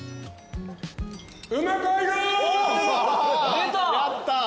出た！